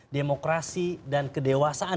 demokrasi dan kedewasaan